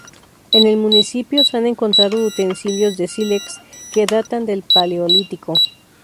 En el municipio se han encontrado utensilios de sílex que datan del Paleolítico.